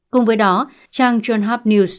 cùng với đó trang trang hap news